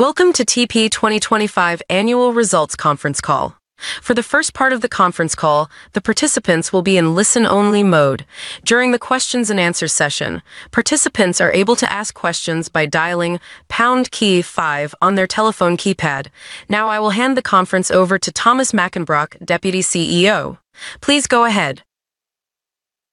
Welcome to TP 2025 annual results conference call. For the first part of the conference call, the participants will be in listen-only mode. During the questions and answer session, participants are able to ask questions by dialing pound key five on their telephone keypad. Now, I will hand the conference over to Thomas Mackenbrock, Deputy CEO. Please go ahead.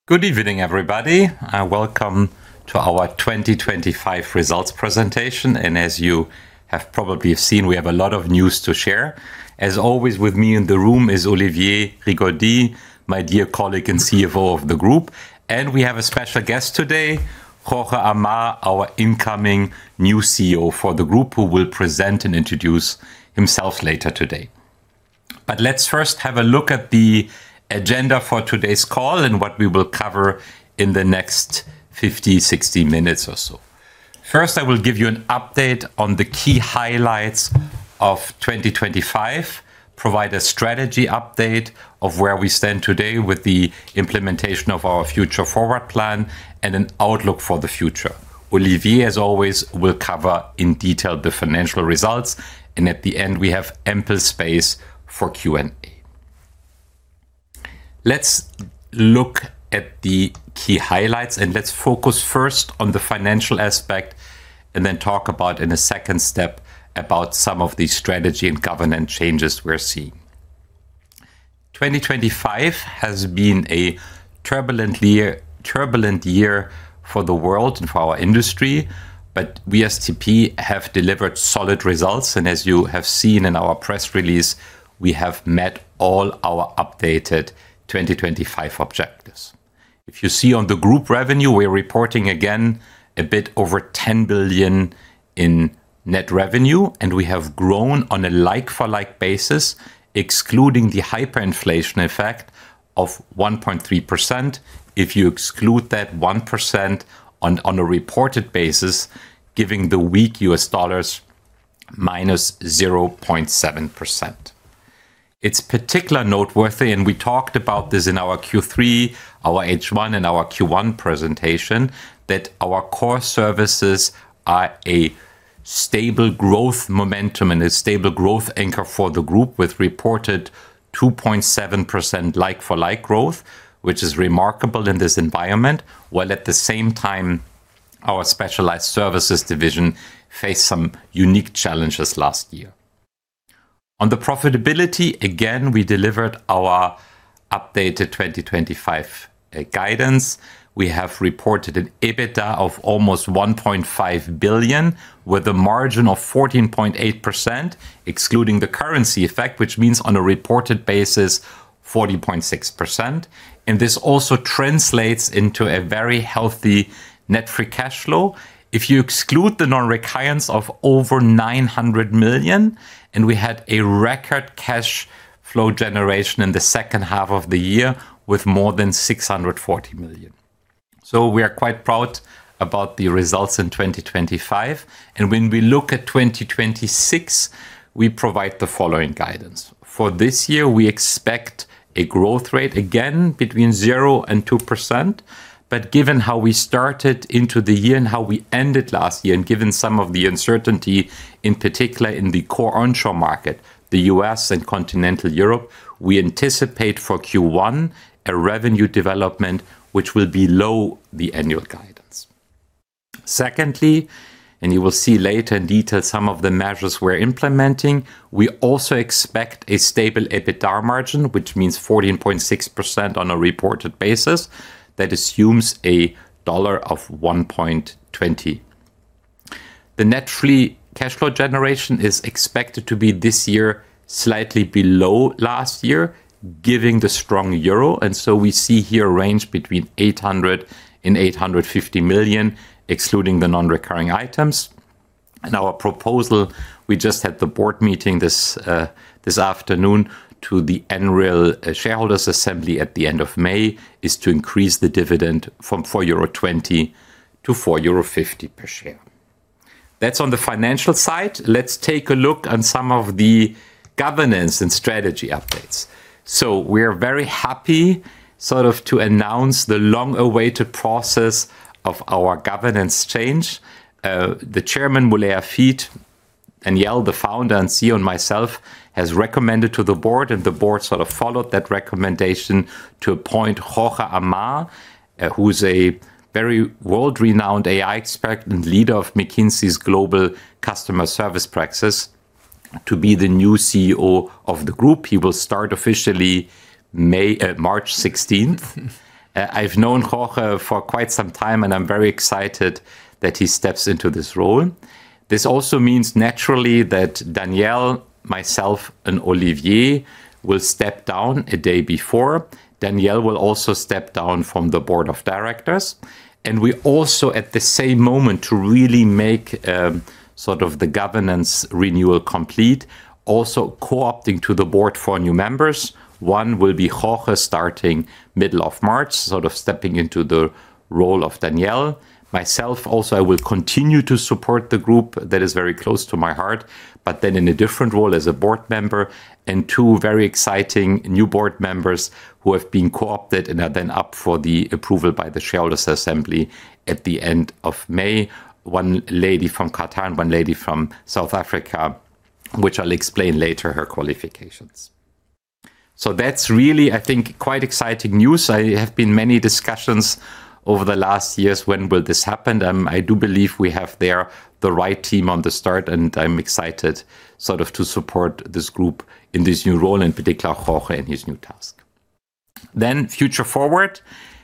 Good evening, everybody. Welcome to our 2025 results presentation. As you have probably seen, we have a lot of news to share. As always, with me in the room is Olivier Rigaudy, my dear colleague and CFO of the group, and we have a special guest today, Jorge Amar, our incoming new CEO for the group, who will present and introduce himself later today. Let's first have a look at the agenda for today's call and what we will cover in the next 50, 60 minutes or so. First, I will give you an update on the key highlights of 2025, provide a strategy update of where we stand today with the implementation of our Future Forward plan and an outlook for the future. Olivier, as always, will cover in detail the financial results, and at the end, we have ample space for Q&A. Let's look at the key highlights. Let's focus first on the financial aspect and then talk about, in a second step, about some of the strategy and governance changes we're seeing. 2025 has been a turbulent year for the world and for our industry, but we as TP have delivered solid results, and as you have seen in our press release, we have met all our updated 2025 objectives. If you see on the group revenue, we're reporting again a bit over 10 billion in net revenue, and we have grown on a like-for-like basis, excluding the hyperinflation effect of 1.3%. If you exclude that 1% on a reported basis, giving the weak U.S. dollars -0.7%. It's particularly noteworthy, we talked about this in our Q3, our H1, and our Q1 presentation, that our Core Services are a stable growth momentum and a stable growth anchor for the group, with reported 2.7% like-for-like growth, which is remarkable in this environment, while at the same time, our Specialized Services division faced some unique challenges last year. On the profitability, again, we delivered our updated 2025 guidance. We have reported an EBITDA of almost 1.5 billion, with a margin of 14.8%, excluding the currency effect, which means on a reported basis, 40.6%, this also translates into a very healthy net free cash flow. If you exclude the non-recurrence of over 900 million, we had a record cash flow generation in the second half of the year with more than 640 million. We are quite proud about the results in 2025. When we look at 2026, we provide the following guidance. For this year, we expect a growth rate again between 0% and 2%. Given how we started into the year and how we ended last year, given some of the uncertainty, in particular in the Core Services onshore market, the U.S. and continental Europe, we anticipate for Q1 a revenue development which will be below the annual guidance. Secondly, you will see later in detail some of the measures we're implementing. We also expect a stable EBITDA margin, which means 14.6% on a reported basis. That assumes $1.20. The net free cash flow generation is expected to be this year, slightly below last year, giving the strong euro, and so we see here a range between 800 million and 850 million, excluding the non-recurring items. Our proposal, we just had the board meeting this afternoon to the annual, shareholders assembly at the end of May, is to increase the dividend from 4.20 euro to 4.50 euro per share. That's on the financial side. Let's take a look at some of the governance and strategy updates. We're very happy, sort of to announce the long-awaited process of our governance change. The Chairman, Moulay Hafid Elalamy, and Daniel, the Founder and CEO, and myself, has recommended to the Board, and the Board sort of followed that recommendation, to appoint Jorge Amar, who is a very world-renowned AI expert and leader of McKinsey's Global Customer Service Practice, to be the new CEO of the group. He will start officially March 16th. I've known Jorge for quite some time, and I'm very excited that he steps into this role. This also means, naturally, that Daniel, myself, and Olivier will step down a day before. Daniel will also step down from the Board of Directors. We also, at the same moment, to really make, sort of the governance renewal complete, also co-opting to the Board four new members. One will be Jorge, starting middle of March, sort of stepping into the role of Daniel. Myself, also, I will continue to support the group that is very close to my heart, but then in a different role as a board member, and two very exciting new board members who have been co-opted and are then up for the approval by the shareholders assembly at the end of May. One lady from Qatar and one lady from South Africa, which I'll explain later her qualifications. That's really, I think, quite exciting news. There have been many discussions over the last years, when will this happen? I do believe we have there the right team on the start, and I'm excited sort of to support this group in this new role, in particular, Jorge and his new task. Future Forward,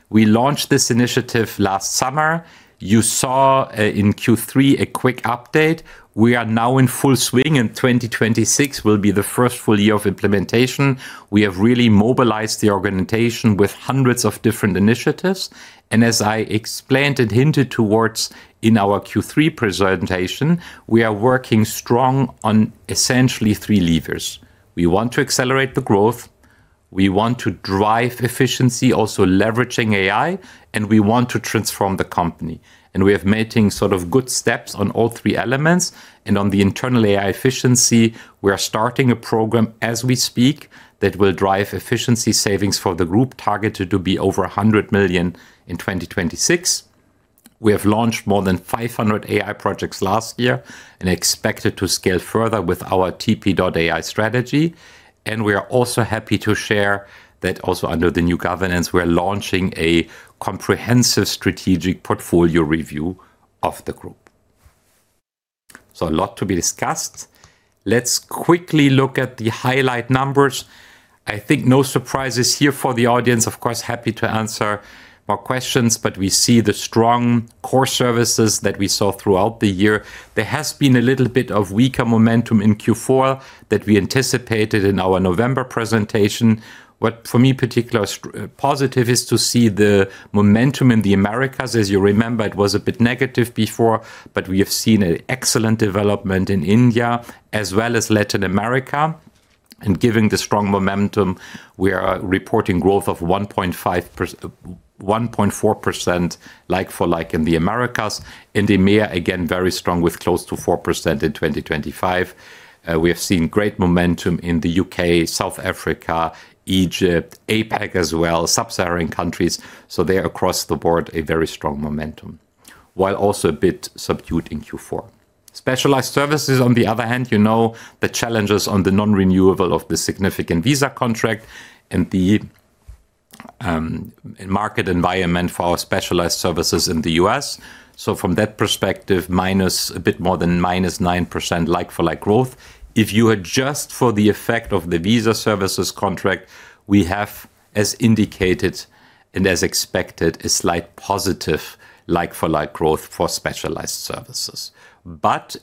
we launched this initiative last summer. You saw in Q3 a quick update. We are now in full swing, and 2026 will be the first full year of implementation. We have really mobilized the organization with hundreds of different initiatives, and as I explained and hinted towards in our Q3 presentation, we are working strong on essentially three levers. We want to accelerate the growth, we want to drive efficiency, also leveraging AI, and we want to transform the company. We are making sort of good steps on all three elements, and on the internal AI efficiency, we are starting a program as we speak, that will drive efficiency savings for the group, targeted to be over 100 million in 2026. We have launched more than 500 AI projects last year and expected to scale further with our TP.ai strategy. We are also happy to share that also under the new governance, we are launching a comprehensive strategic portfolio review of the group. So a lot to be discussed. Let's quickly look at the highlight numbers. I think no surprises here for the audience. Of course, happy to answer more questions, but we see the strong Core Services that we saw throughout the year. There has been a little bit of weaker momentum in Q4 that we anticipated in our November presentation. What, for me, particularly positive is to see the momentum in the Americas. As you remember, it was a bit negative before, but we have seen an excellent development in India as well as Latin America. Given the strong momentum, we are reporting growth of 1.4% like-for-like in the Americas. In EMEA, again, very strong, with close to 4% in 2025. We have seen great momentum in the U.K., South Africa, Egypt, APAC as well, sub-Saharan countries. So they are across the board, a very strong momentum, while also a bit subdued in Q4. Specialized Services, on the other hand, you know, the challenges on the non-renewable of the significant visa contract and the market environment for our Specialized Services in the U.S. From that perspective, minus a bit more than -9% like-for-like growth. If you adjust for the effect of the visa services contract, we have, as indicated and as expected, a slight positive like-for-like growth for Specialized Services.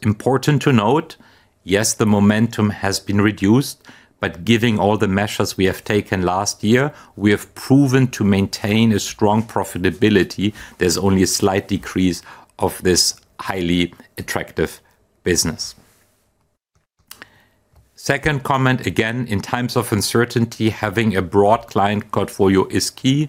Important to note, yes, the momentum has been reduced, but giving all the measures we have taken last year, we have proven to maintain a strong profitability. There's only a slight decrease of this highly attractive business. Second comment, again, in times of uncertainty, having a broad client portfolio is key,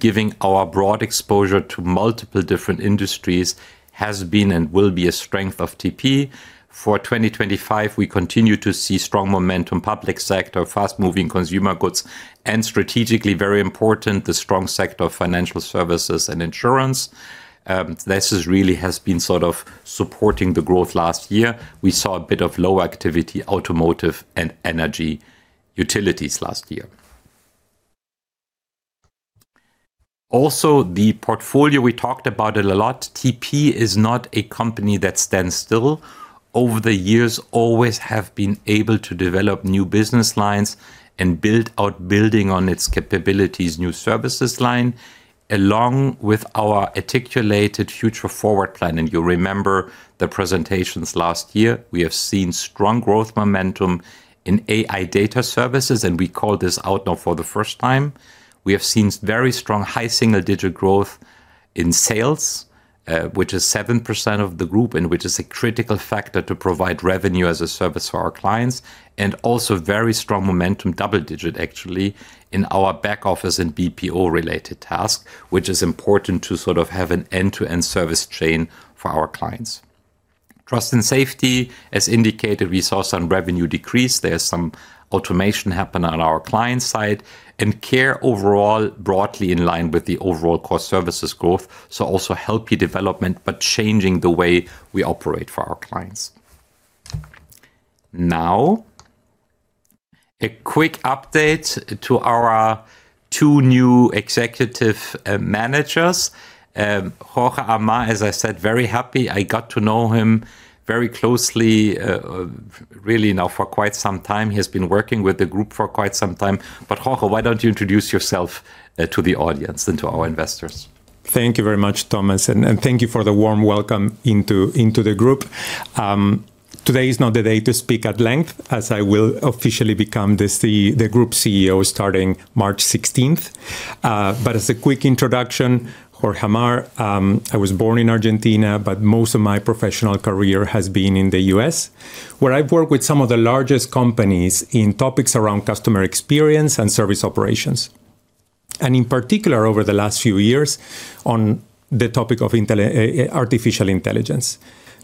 giving our broad exposure to multiple different industries has been and will be a strength of TP. For 2025, we continue to see strong momentum, public sector, fast-moving consumer goods, and strategically very important, the strong sector of financial services and insurance. This is really has been sort of supporting the growth last year. We saw a bit of low activity, automotive and energy utilities last year. Also, the portfolio, we talked about it a lot. TP is not a company that stands still. Over the years, always have been able to develop new business lines and build out, building on its capabilities, new services line, along with our articulated Future Forward plan. You'll remember the presentations last year. We have seen strong growth momentum in AI data services. We call this out now for the first time. We have seen very strong, high single-digit growth in sales, which is 7% of the group and which is a critical factor to provide revenue as a service for our clients, and also very strong momentum, double digit, actually, in our back office and BPO-related tasks, which is important to sort of have an end-to-end service chain for our clients. Trust & Safety, as indicated, we saw some revenue decrease. There's some automation happen on our client side and care overall, broadly in line with the overall Core Services growth. Also healthy development, but changing the way we operate for our clients. A quick update to our two new executive managers. Jorge Amar, as I said, very happy. I got to know him very closely, really now for quite some time. He has been working with the group for quite some time. Jorge, why don't you introduce yourself to the audience and to our investors? Thank you very much, Thomas, and thank you for the warm welcome into the group. Today is not the day to speak at length, as I will officially become the Group CEO starting March 16th. But as a quick introduction, Jorge Amar. I was born in Argentina, but most of my professional career has been in the U.S., where I've worked with some of the largest companies in topics around customer experience and service operations. In particular, over the last few years, on the topic of artificial intelligence,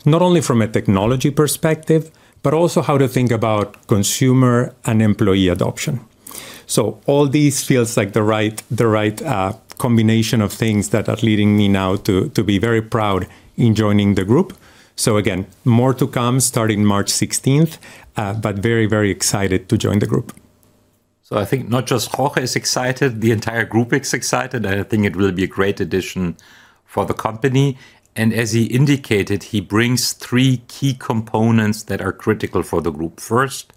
not only from a technology perspective, but also how to think about consumer and employee adoption. All these feels like the right, the right combination of things that are leading me now to be very proud in joining the group. Again, more to come starting March 16th, but very, very excited to join the group. I think not just Jorge is excited, the entire group is excited. I think it will be a great addition for the company, and as he indicated, he brings three key components that are critical for the group. First,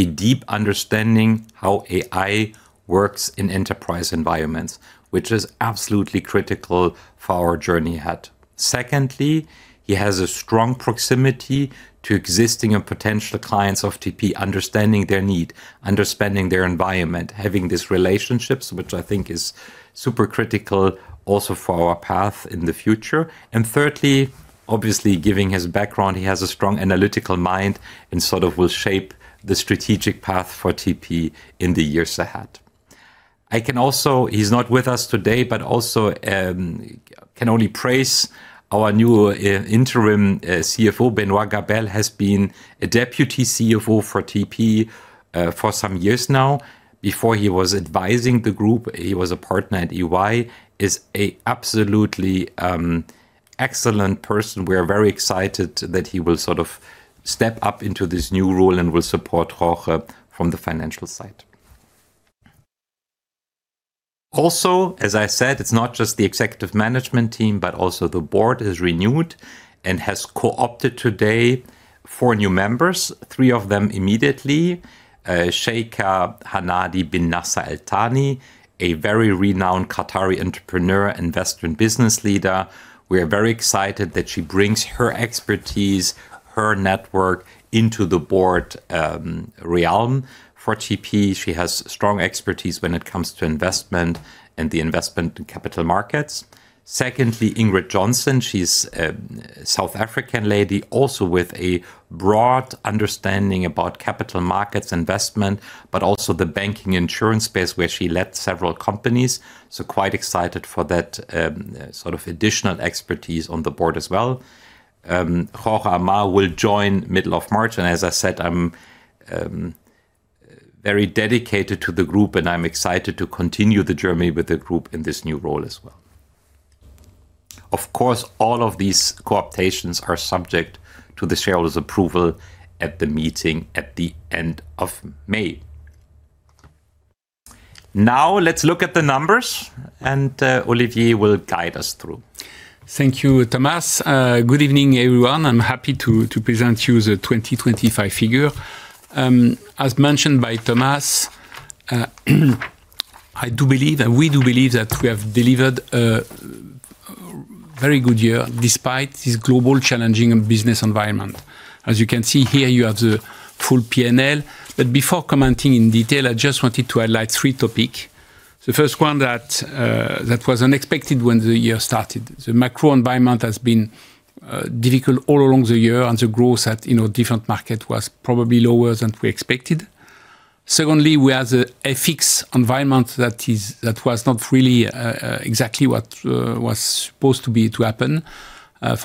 a deep understanding how AI works in enterprise environments, which is absolutely critical for our journey ahead. Secondly, he has a strong proximity to existing and potential clients of TP, understanding their need, understanding their environment, having these relationships, which I think is super critical also for our path in the future. Thirdly, obviously, given his background, he has a strong analytical mind and sort of will shape the strategic path for TP in the years ahead. He's not with us today, but also can only praise our new interim CFO, Benoît Gabelle, has been a Deputy CFO for TP for some years now. Before he was advising the group, he was a absolutely excellent person. We are very excited that he will sort of step up into this new role and will support Jorge from the financial side. As I said, it's not just the executive management team, but also the board is renewed and has co-opted today four new members, three of them immediately. Sheikha Hanadi bint Nasser Al Thani, a very renowned Qatari entrepreneur, investor, and business leader. We are very excited that she brings her expertise, her network, into the board realm for TP. She has strong expertise when it comes to investment and the investment in capital markets. Secondly, Ingrid Johnson, she's a South African lady, also with a broad understanding about capital markets investment, but also the banking insurance space, where she led several companies. Quite excited for that, sort of additional expertise on the board as well. Jorge Amar will join middle of March. As I said, I'm very dedicated to the group, and I'm excited to continue the journey with the group in this new role as well. Of course, all of these co-optations are subject to the shareholders' approval at the meeting at the end of May. Let's look at the numbers. Olivier will guide us through. Thank you, Thomas. Good evening, everyone. I'm happy to present you the 2025 figure. As mentioned by Thomas, I do believe and we do believe that we have delivered a very good year despite this global challenging business environment. As you can see here, you have the full P&L. Before commenting in detail, I just wanted to highlight three topics. The first one that was unexpected when the year started. The macro environment has been difficult all along the year, and the growth at, you know, different market was probably lower than we expected. Secondly, we had a fixed environment that was not really exactly what was supposed to be to happen. I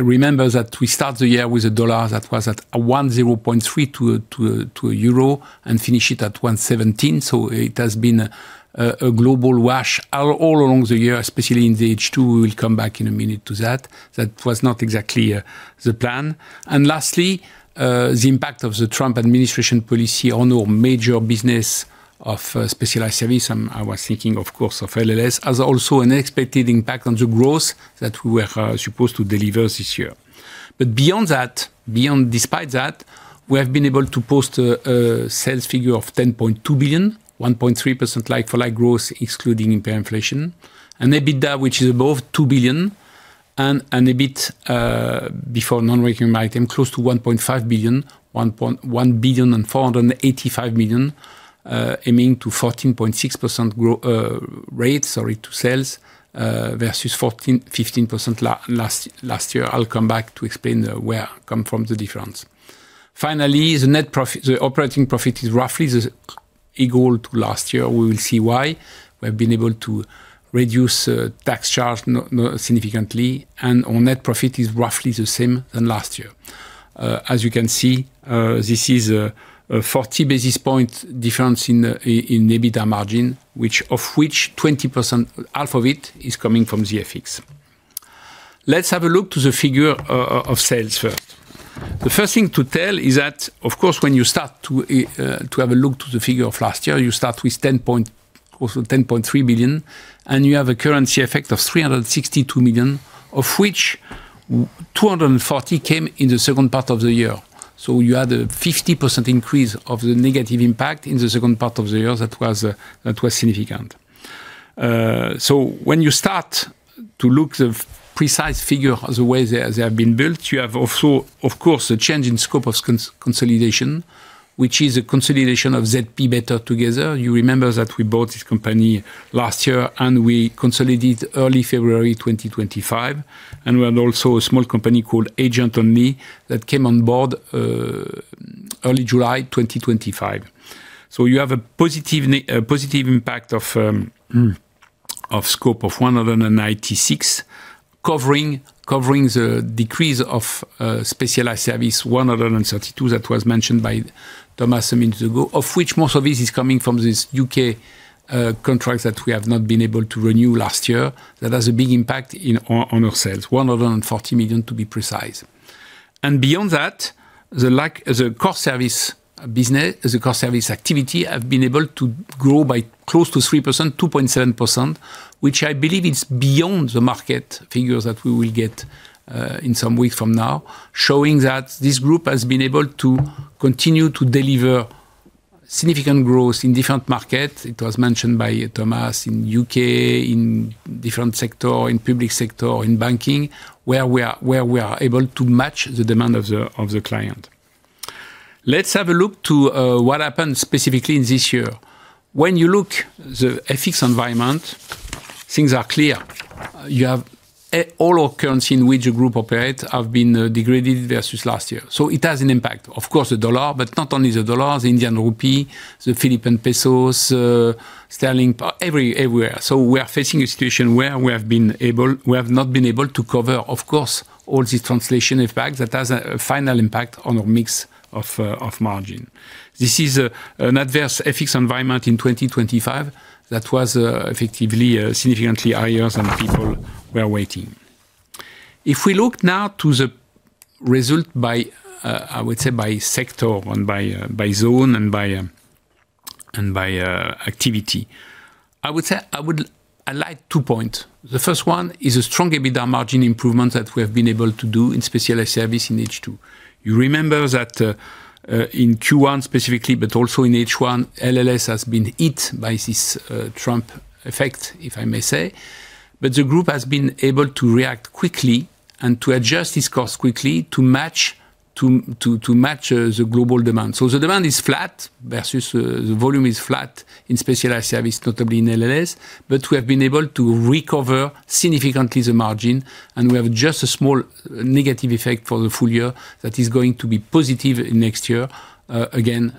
remember that we started the year with the U.S. dollar that was at 1.03 to a euro and finish it at 1.17. It has been a global wash out all along the year, especially in the H2. We will come back in a minute to that. That was not exactly the plan. Lastly, the impact of the Trump administration policy on our major business of Specialized Services. I was thinking, of course, of LLS, as also an unexpected impact on the growth that we were supposed to deliver this year. Beyond that. Despite that, we have been able to post a sales figure of 10.2 billion, 1.3% like-for-like growth, excluding input inflation, and EBITDA, which is above 2 billion, and EBIT before non-recurring item, close to 1.5 billion, 1.485 billion, aiming to 14.6% growth rate to sales versus 14%, 15% last year. I'll come back to explain where come from the difference. Finally, the net profit, the operating profit, is roughly the equal to last year. We will see why. We've been able to reduce tax charge significantly, and our net profit is roughly the same than last year. As you can see, this is a 40-basis point difference in EBITDA margin, which, of which 20%, half of it, is coming from the FX. Let's have a look to the figure of sales first. The first thing to tell is that, of course, when you start to have a look to the figure of last year, you start with 10.3 billion, and you have a currency effect of 362 million, of which 240 came in the second part of the year. You had a 50% increase of the negative impact in the second part of the year. That was significant. When you start to look the precise figure, the way they have been built, you have also, of course, a change in scope of consolidation, which is a consolidation of ZP Better Together. You remember that we bought this company last year, we consolidated early February 2025, we had also a small company called Agents Only that came on board early July 2025. You have a positive positive impact of scope of 196 million, covering the decrease of Specialized Services, 132 million, that was mentioned by Thomas a minute ago, of which most of this is coming from this U.K. contract that we have not been able to renew last year. That has a big impact on our sales, 140 million, to be precise. Beyond that, the Core Services business, the Core Services activity have been able to grow by close to 3%, 2.7%, which I believe is beyond the market figures that we will get in some weeks from now. Showing that this group has been able to continue to deliver significant growth in different markets. It was mentioned by Thomas, in U.K., in different sector, in public sector, in banking, where we are able to match the demand of the client. Let's have a look to what happened specifically in this year. When you look the FX environment, things are clear. All our currency in which the group operate have been degraded versus last year. It has an impact. Of course, the U.S. dollar, not only the U.S. dollar, the Indian rupee, the Philippine pesos, sterling, everywhere. We are facing a situation where we have not been able to cover, of course, all the translation impact that has a final impact on our mix of margin. This is an adverse FX environment in 2025 that was effectively significantly higher than people were waiting. We look now to the result by sector and by zone and by activity, I would highlight two points. The first one is a strong EBITDA margin improvement that we have been able to do in Specialized Services in H2. You remember that in Q1 specifically, but also in H1, LLS has been hit by this Trump effect, if I may say, but the group has been able to react quickly and to adjust its cost quickly to match the global demand. The demand is flat versus the volume is flat in Specialized Services, notably in LLS, but we have been able to recover significantly the margin, and we have just a small negative effect for the full year that is going to be positive in next year again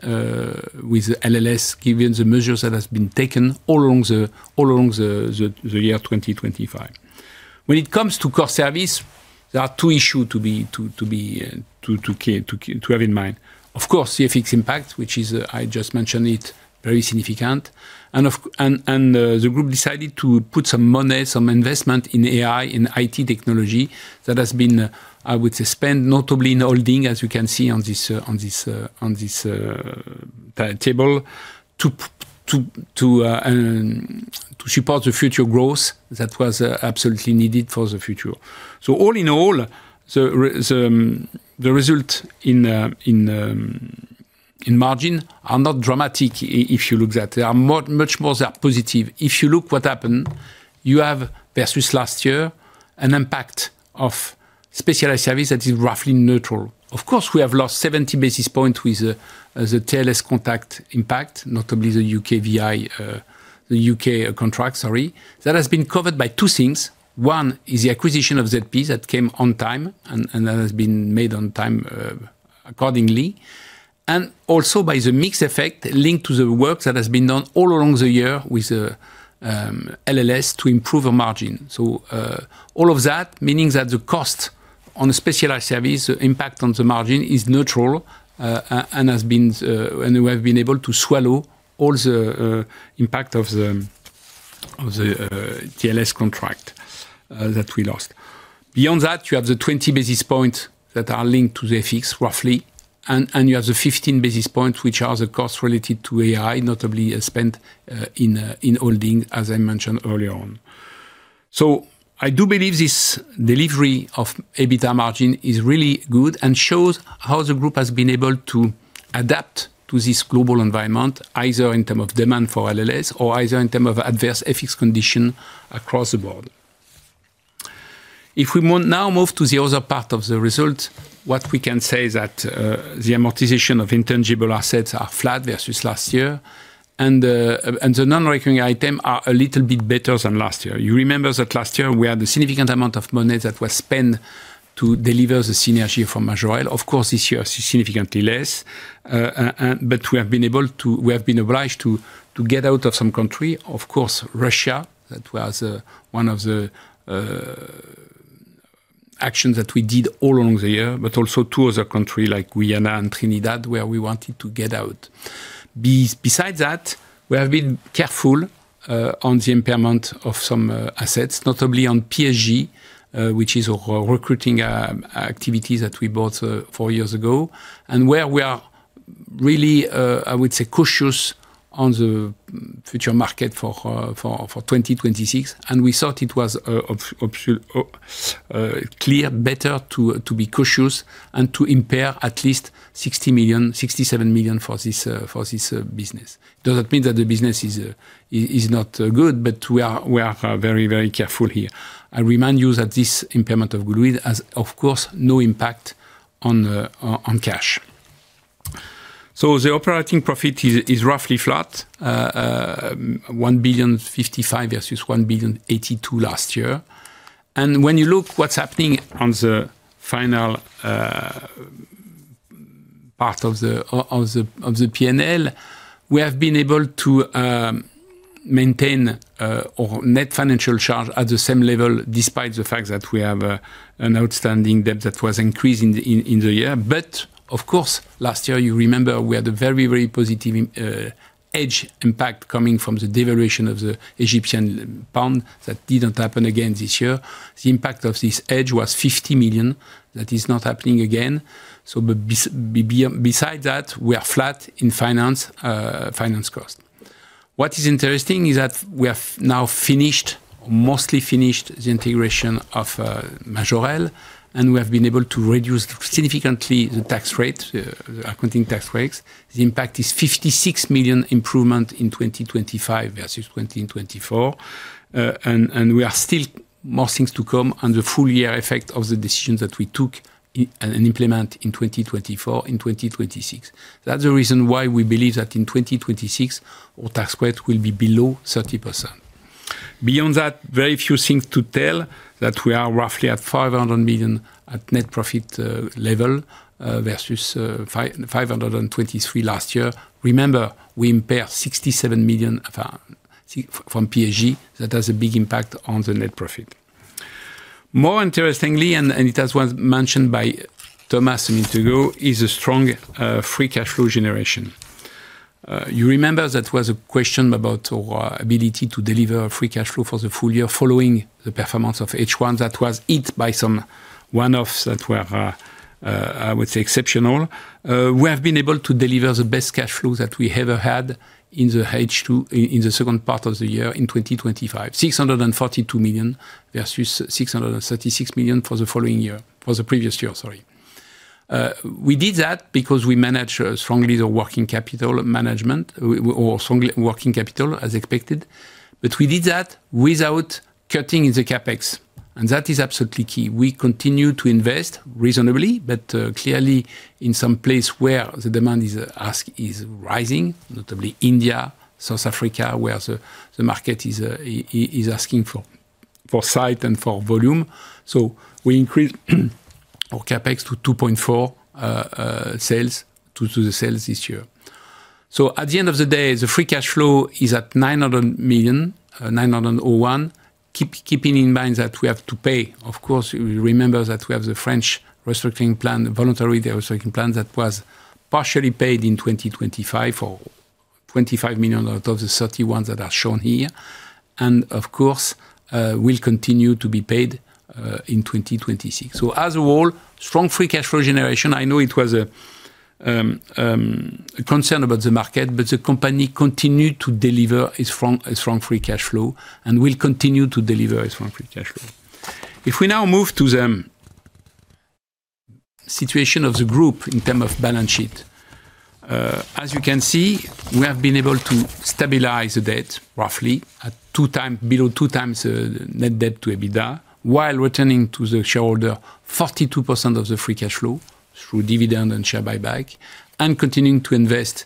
with LLS, given the measures that has been taken all along the year 2025. When it comes to Core Services, there are two issues to be to keep to have in mind. Of course, the FX impact, which is, I just mentioned it, very significant. The group decided to put some money, some investment in AI, in IT technology that has been, I would say, spent notably in holding, as you can see on this table, to support the future growth that was absolutely needed for the future. All in all, the result in margin are not dramatic if you look that. They are much more positive. If you look what happened, you have versus last year, an impact of Specialized Services that is roughly neutral. Of course, we have lost 70 basis points with the TLScontact impact, notably the UKVI, the U.K. contract, sorry. That has been covered by two things. One is the acquisition of ZP that came on time, and that has been made on time accordingly, and also by the mix effect linked to the work that has been done all along the year with the LLS to improve the margin. All of that, meaning that the cost on a Specialized Services impact on the margin is neutral, and has been, and we have been able to swallow all the impact of the TLScontact that we lost. Beyond that, you have the 20 basis points that are linked to the FX, roughly, and you have the 15 basis points, which are the costs related to AI, notably spent in holding, as I mentioned earlier on. I do believe this delivery of EBITDA margin is really good and shows how the group has been able to adapt to this global environment, either in term of demand for LLS or either in term of adverse FX condition across the board. If we now move to the other part of the result, what we can say is that the amortization of intangible assets are flat versus last year, and the non-recurring item are a little bit better than last year. You remember that last year, we had a significant amount of money that was spent to deliver the synergy from Majorel. Of course, this year is significantly less. We have been obliged to get out of some country. Of course, Russia, that was one of the actions that we did all along the year, also two other country, like Guyana and Trinidad, where we wanted to get out. Besides that, we have been careful on the impairment of some assets, notably on PSG, which is a recruiting activity that we bought four years ago, and where we are really, I would say, cautious on the future market for 2026, and we thought it was clear better to be cautious and to impair at least 60 million, 67 million for this for this business. Does not mean that the business is not good, we are very, very careful here. I remind you that this impairment of goodwill has, of course, no impact on cash. The operating profit is roughly flat, 1.055 billion versus 1.082 billion last year. When you look what's happening on the final part of the P&L, we have been able to maintain our net financial charge at the same level, despite the fact that we have an outstanding debt that was increased in the year. Of course, last year, you remember, we had a very, very positive edge impact coming from the devaluation of the Egyptian pound. That didn't happen again this year. The impact of this edge was 50 million. That is not happening again. Besides that, we are flat in finance cost. What is interesting is that we have now finished, mostly finished, the integration of Majorel, and we have been able to reduce significantly the tax rate, accounting tax rates. The impact is 56 million improvement in 2025 versus EUR 20 million in 2024. We are still more things to come on the full-year effect of the decisions that we took and implement in 2024, in 2026. That's the reason why we believe that in 2026, our tax rate will be below 30%. Beyond that, very few things to tell, that we are roughly at 500 million at net profit level versus 523 million last year. Remember, we impair 67 million from PSG. That has a big impact on the net profit. More interestingly, and it hwas mentioned by Thomas a minute ago, is a strong free cash flow generation. You remember that was a question about our ability to deliver free cash flow for the full year following the performance of H1. That was hit by some one-offs that were, I would say, exceptional. We have been able to deliver the best cash flow that we ever had in the H2, in the second part of the year, in 2025. 642 million versus 636 million for the following year, for the previous year, sorry. We did that because we managed strongly the working capital management or strongly working capital, as expected. We did that without cutting the CapEx, and that is absolutely key. We continue to invest reasonably, clearly in some place where the demand is rising, notably India, South Africa, where the market is asking for site and for volume. We increased our CapEx to 2.4 sales to the sales this year. At the end of the day, the free cash flow is at 900 million, 901 million. Keeping in mind that we have to pay, of course, you remember that we have the French restructuring plan, voluntary restructuring plan, that was partially paid in 2025, or 25 million out of the 30 million ones that are shown here, and of course, will continue to be paid in 2026. As a whole, strong free cash flow generation. I know it was a concern about the market, but the company continued to deliver a strong free cash flow and will continue to deliver a strong free cash flow. We now move to the situation of the group in term of balance sheet. As you can see, we have been able to stabilize the debt, roughly, at 2x, below 2x, net debt-to-EBITDA, while returning to the shareholder 42% of the free cash flow through dividend and share buyback, and continuing to invest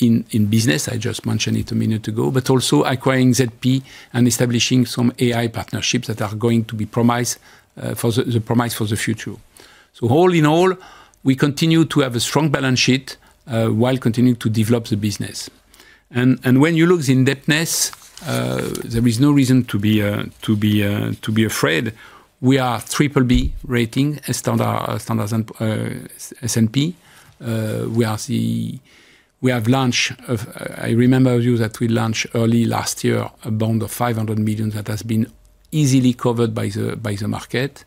in business. I just mentioned it a minute ago, but also acquiring ZP and establishing some AI partnerships that are going to be promise for the promise for the future. All in all, we continue to have a strong balance sheet while continuing to develop the business. When you look in debtness, there is no reason to be afraid. We are BBB rating, a standard, standards in S&P. We have launched early last year, a bond of 500 million that has been easily covered by the market.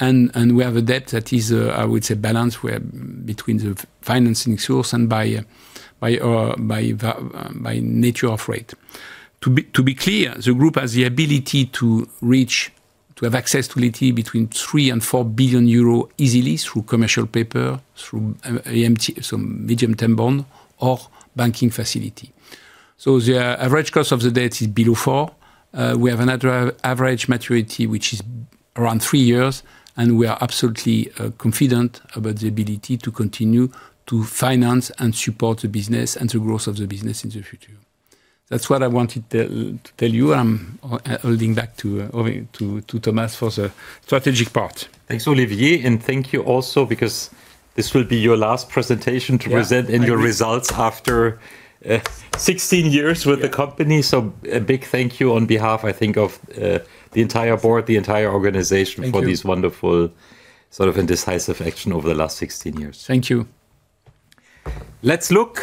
We have a debt that is, I would say, balanced, where between the financing source and by nature of rate. To be clear, the group has the ability to have access to liquidity between 3 billion and 4 billion euro easily through commercial paper, through some medium-term bond or banking facility. The average cost of the debt is below 4%. We have another average maturity, which is around three years, and we are absolutely confident about the ability to continue to finance and support the business and the growth of the business in the future. That's what I wanted to tell you. I'm holding back over to Thomas for the strategic part. Thanks, Olivier, thank you also, because this will be your last presentation. Yeah. To present in your results after, 16 years with the company. A big thank you on behalf, I think, of, the entire board, the entire organization. Thank you. For this wonderful, sort of, and decisive action over the last 16 years. Thank you. Let's look,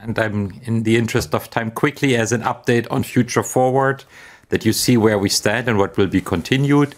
and in the interest of time, quickly, as an update on Future Forward, that you see where we stand and what will be continued.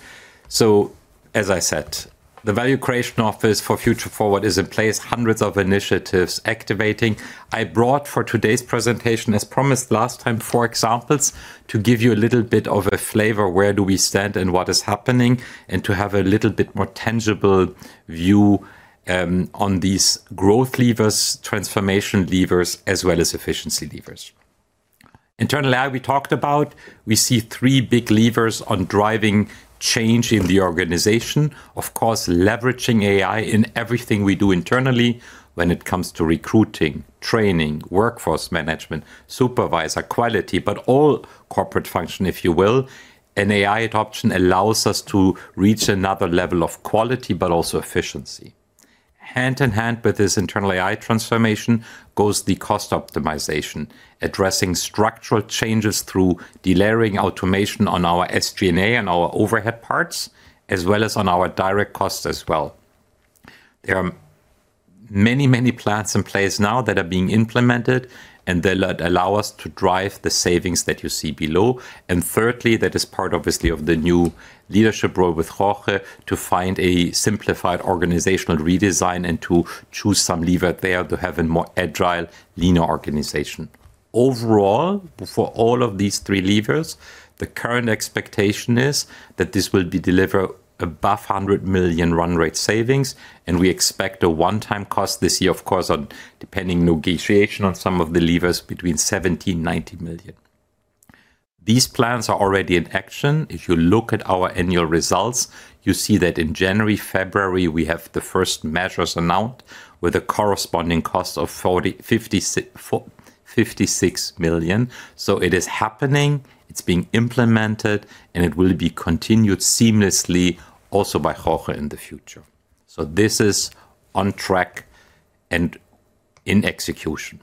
As I said, the Value Creation Office for Future Forward is in place, hundreds of initiatives activating. I brought for today's presentation, as promised last time, four examples to give you a little bit of a flavor, where do we stand and what is happening, and to have a little bit more tangible view on these growth levers, transformation levers, as well as efficiency levers. Internal AI, we talked about, we see three big levers on driving change in the organization. Of course, leveraging AI in everything we do internally when it comes to recruiting, training, workforce management, supervisor quality, but all corporate function, if you will. AI adoption allows us to reach another level of quality, but also efficiency. Hand in hand with this internal AI transformation goes the cost optimization, addressing structural changes through delayering automation on our SG&A and our overhead parts, as well as on our direct costs as well. There are many, many plans in place now that are being implemented, and they'll allow us to drive the savings that you see below. Thirdly, that is part, obviously, of the new leadership role with Jorge, to find a simplified organizational redesign and to choose some lever there to have a more agile, leaner organization. Overall, for all of these three levers, the current expectation is that this will be delivered above 100 million run rate savings, and we expect a one-time cost this year, of course, on depending negotiation on some of the levers between 70 million and 90 million. These plans are already in action. If you look at our annual results, you see that in January, February, we have the first measures announced with a corresponding cost of 40 million-56 million. It is happening, it's being implemented, and it will be continued seamlessly also by Jorge in the future. This is on track and in execution.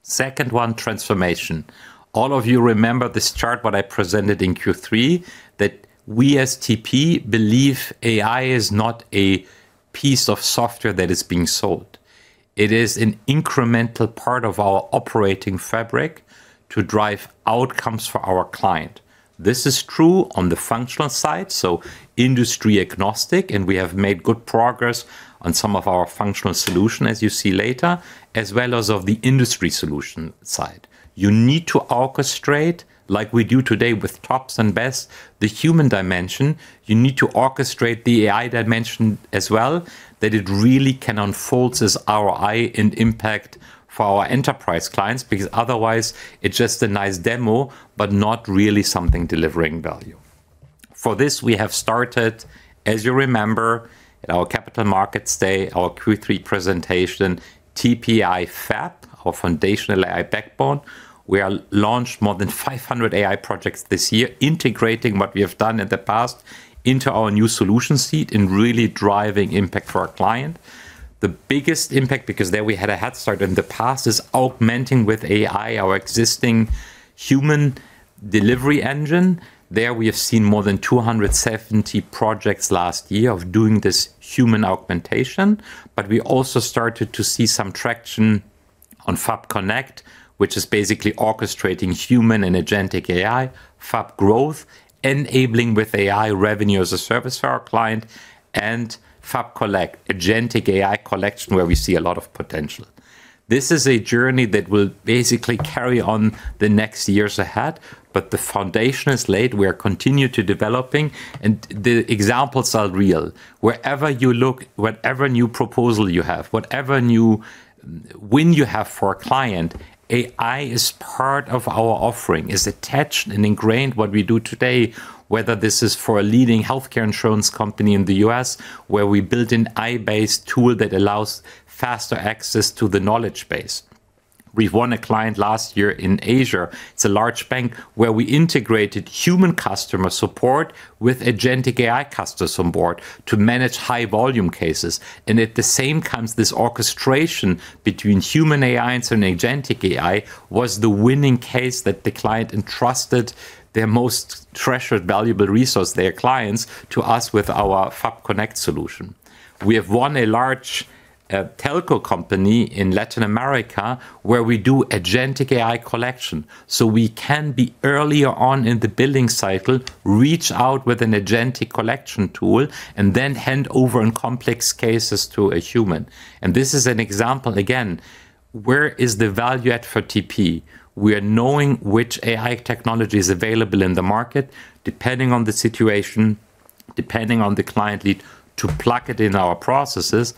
Second one, transformation. All of you remember this chart, what I presented in Q3, that we as TP believe AI is not a piece of software that is being sold. It is an incremental part of our operating fabric to drive outcomes for our client. This is true on the functional side, so industry agnostic, and we have made good progress on some of our functional solution, as you see later, as well as of the industry solution side. You need to orchestrate, like we do today with TOPS and BEST, the human dimension. You need to orchestrate the AI dimension as well, that it really can unfold as our AI and impact for our enterprise clients, because otherwise it's just a nice demo, but not really something delivering value. For this, we have started, as you remember, in our Capital Markets Day, our Q3 presentation, TP.ai FAB, or Foundational AI Backbone, we are launched more than 500 AI projects this year, integrating what we have done in the past into our new solution suite and really driving impact for our client. The biggest impact, because there we had a head start in the past, is augmenting with AI, our existing human delivery engine. There, we have seen more than 270 projects last year of doing this human augmentation, but we also started to see some traction on FAB Connect, which is basically orchestrating human and agentic AI, FAB Growth, enabling with AI revenue as a service for our client and FAB Collect, agentic AI collection, where we see a lot of potential. This is a journey that will basically carry on the next years ahead, but the foundation is laid. We are continuing to developing, and the examples are real. Wherever you look, whatever new proposal you have, whatever new win you have for a client, AI is part of our offering. It's attached and ingrained what we do today, whether this is for a leading healthcare insurance company in the U.S., where we built an AI-based tool that allows faster access to the knowledge base. We've won a client last year in Asia. It's a large bank where we integrated human customer support with agentic AI customers on board to manage high volume cases. At the same comes this orchestration between human AI and an agentic AI, was the winning case that the client entrusted their most treasured, valuable resource, their clients, to us with our TP.ai FAB Connect solution. We have won a large telco company in Latin America, where we do agentic AI collection, so we can be earlier on in the billing cycle, reach out with an agentic collection tool, and then hand over in complex cases to a human. This is an example, again, where is the value add for TP? We are knowing which AI technology is available in the market, depending on the situation, depending on the client lead, to plug it in our processes.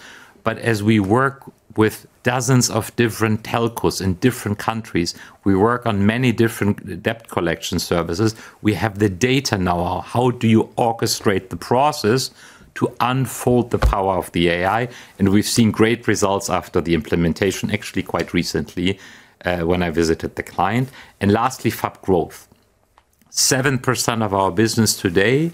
As we work with dozens of different telcos in different countries, we work on many different debt collection services. We have the data now. How do you orchestrate the process to unfold the power of the AI? We've seen great results after the implementation, actually, quite recently, when I visited the client. Lastly, FAB Growth. 7% of our business today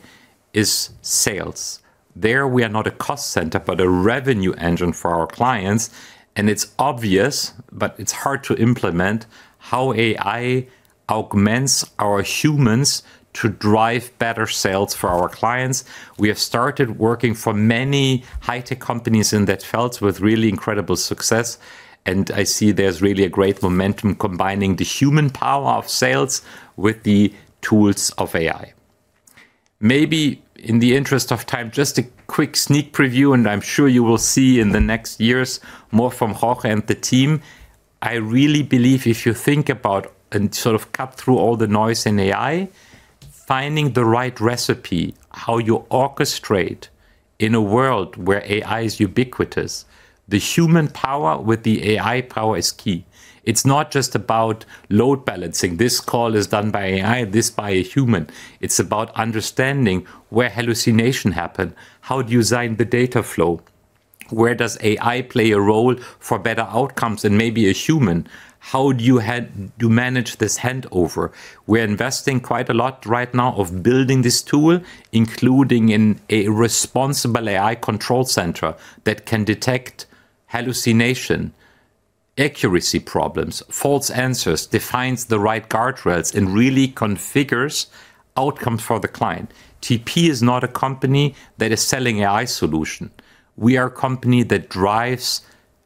is sales. There, we are not a cost center, but a revenue engine for our clients, and it's obvious, but it's hard to implement how AI augments our humans to drive better sales for our clients. We have started working for many high-tech companies in that field with really incredible success, and I see there's really a great momentum combining the human power of sales with the tools of AI. Maybe in the interest of time, just a quick sneak preview. I'm sure you will see in the next years more from Jorge and the team. I really believe if you think about and sort of cut through all the noise in AI, finding the right recipe, how you orchestrate in a world where AI is ubiquitous, the human power with the AI power is key. It's not just about load balancing. This call is done by AI, this by a human. It's about understanding where hallucination happened. How do you design the data flow? Where does AI play a role for better outcomes than maybe a human? How do you manage this handover? We're investing quite a lot right now of building this tool, including in a responsible AI control center that can detect hallucination. Accuracy problems, false answers, defines the right guardrails, and really configures outcomes for the client. TP is not a company that is selling AI solution. We are a company that drives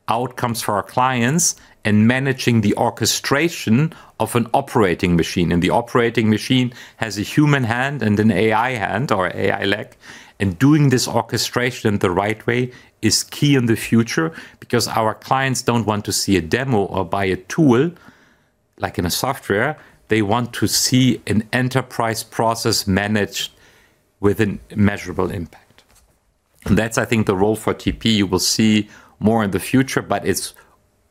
outcomes for our clients and managing the orchestration of an operating machine, and the operating machine has a human hand and an AI hand or AI leg. Doing this orchestration the right way is key in the future because our clients don't want to see a demo or buy a tool like in a software. They want to see an enterprise process managed with a measurable impact. That's, I think, the role for TP. You will see more in the future, but it's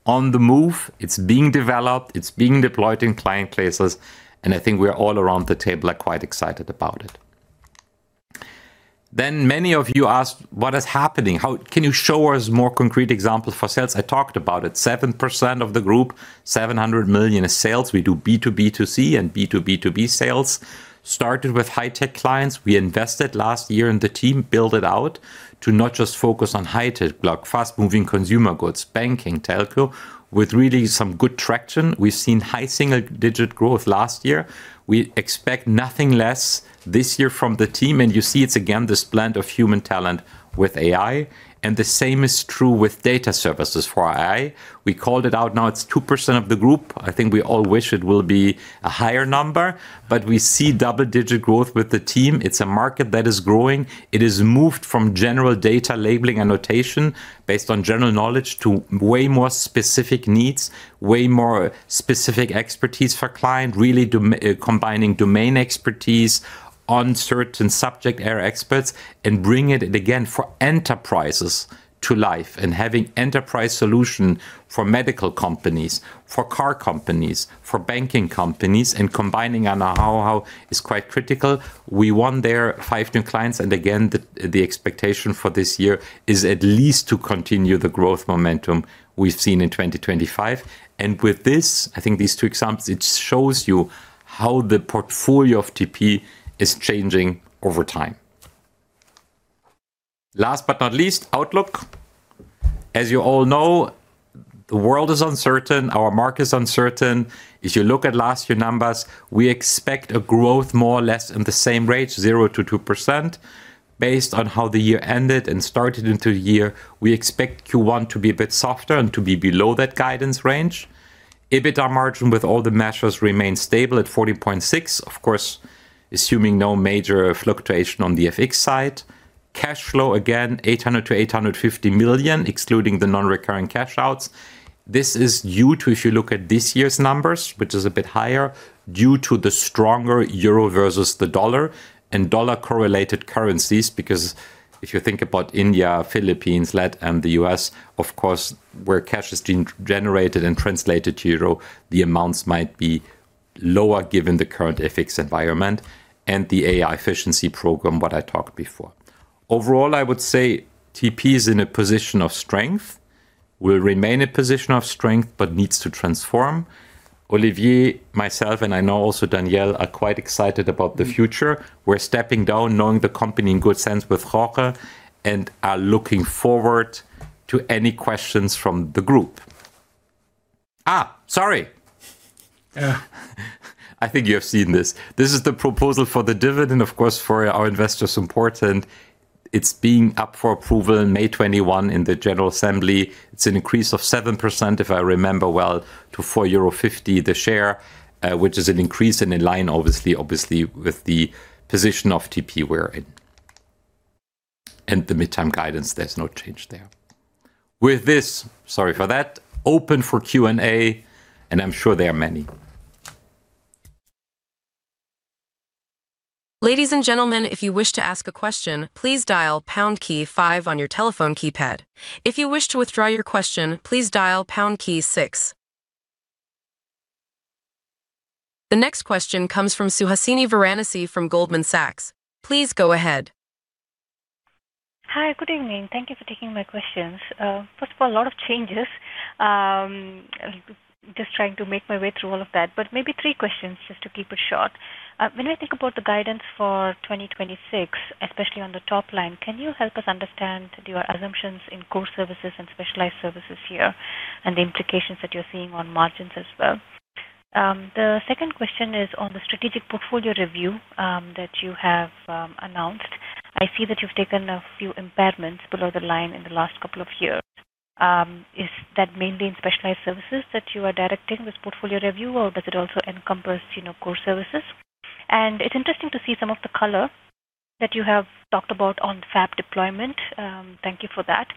on the move, it's being developed, it's being deployed in client places, and I think we're all around the table are quite excited about it. Many of you asked: What is happening? Can you show us more concrete examples for sales? I talked about it. 7% of the group, 700 million in sales. We do B2B2C and B2B2B sales. Started with high-tech clients. We invested last year, and the team built it out to not just focus on high-tech, but fast-moving consumer goods, banking, telco, with really some good traction. We've seen high single-digit growth last year. We expect nothing less this year from the team, and you see it's again, this blend of human talent with AI, and the same is true with data services for AI. We called it out. Now it's 2% of the group. I think we all wish it will be a higher number, but we see double-digit growth with the team. It's a market that is growing. It has moved from general data labeling & annotation based on general knowledge, to way more specific needs, way more specific expertise for client, really combining domain expertise on certain subject area experts. Bringing it again, for enterprises to life, having enterprise solution for medical companies, for car companies, for banking companies, and combining on a how is quite critical. We won there five new clients. Again, the expectation for this year is at least to continue the growth momentum we've seen in 2025. With this, I think these two examples, it shows you how the portfolio of TP is changing over time. Last but not least, outlook. As you all know, the world is uncertain, our market is uncertain. If you look at last year numbers, we expect a growth more or less in the same range, 0%-2%. Based on how the year ended and started into the year, we expect Q1 to be a bit softer and to be below that guidance range. EBITDA margin with all the measures remains stable at 40.6%, of course, assuming no major fluctuation on the FX side. Cash flow, again, 800 million-850 million, excluding the non-recurring cash outs. This is due to, if you look at this year's numbers, which is a bit higher, due to the stronger euro versus the dollar and dollar-correlated currencies because if you think about India, Philippines, LATAM, and the U.S., of course, where cash is being generated and translated to euro, the amounts might be lower given the current FX environment and the AI efficiency program, what I talked before. Overall, I would say TP is in a position of strength, will remain a position of strength, but needs to transform. Olivier, myself, and I know also Danielle, are quite excited about the future. We're stepping down, knowing the company in good hands with Jorge, and are looking forward to any questions from the group. Sorry. I think you have seen this. This is the proposal for the dividend, of course, for our investors, important. It's being up for approval on May 21 in the General Assembly. It's an increase of 7%, if I remember well, to 4.50 euro the share, which is an increase and in line, obviously, with the position of TP. The midterm guidance, there's no change there. With this, sorry for that, open for Q&A, and I'm sure there are many. Ladies and gentlemen, if you wish to ask a question, please dial pound key five on your telephone keypad. If you wish to withdraw your question, please dial pound key six. The next question comes from Suhasini Varanasi from Goldman Sachs. Please go ahead. Hi, good evening. Thank you for taking my questions. First of all, a lot of changes. Just trying to make my way through all of that, but maybe three questions, just to keep it short. When we think about the guidance for 2026, especially on the top line, can you help us understand your assumptions in Core Services and Specialized Services here, and the implications that you're seeing on margins as well? The second question is on the strategic portfolio review that you have announced. I see that you've taken a few impairments below the line in the last couple of years. Is that mainly in Specialized Services that you are directing this portfolio review, or does it also encompass, you know, Core Services? It's interesting to see some of the color that you have talked about on FAB deployment. Thank you for that.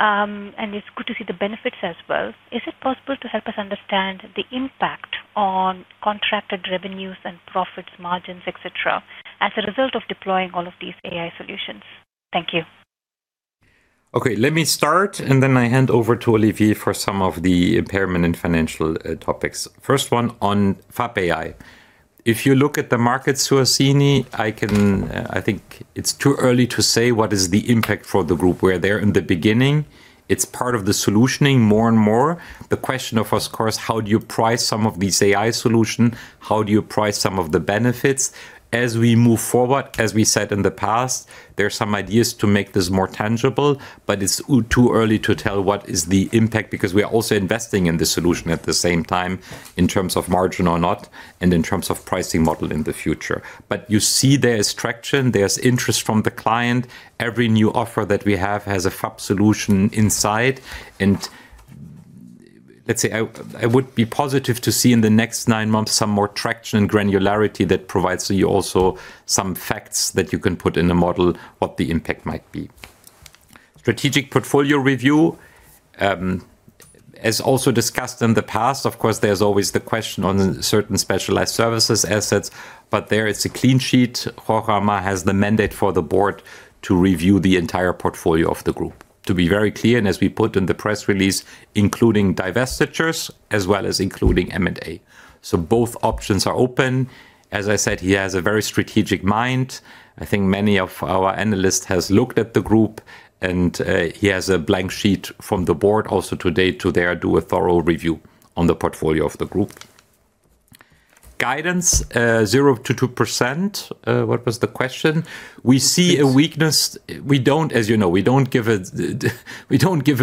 It's good to see the benefits as well. Is it possible to help us understand the impact on contracted revenues and profits, margins, et cetera, as a result of deploying all of these AI solutions? Thank you. Let me start, and then I hand over to Olivier for some of the impairment and financial topics. First one on FAB AI. If you look at the market, Suhasini, I think it's too early to say what is the impact for the group. We're there in the beginning. It's part of the solutioning more and more. The question of course, how do you price some of these AI solution? How do you price some of the benefits? As we move forward, as we said in the past, there are some ideas to make this more tangible, it's too early to tell what is the impact, because we are also investing in the solution at the same time, in terms of margin or not, and in terms of pricing model in the future. You see there is traction, there's interest from the client. Every new offer that we have has a FAB solution inside, let's say I would be positive to see in the next nine months some more traction and granularity that provides you also some facts that you can put in the model, what the impact might be. Strategic portfolio review, as also discussed in the past, of course, there's always the question on certain Specialized Services assets, but there it's a clean sheet. Jorge Amar has the mandate for the board to review the entire portfolio of the group. To be very clear, and as we put in the press release, including divestitures as well as including M&A. Both options are open. As I said, he has a very strategic mind. I think many of our analysts has looked at the group, and he has a blank sheet from the board also today to there do a thorough review on the portfolio of the group. Guidance, 0%-2%. What was the question? We see a weakness. We don't, as you know, we don't give a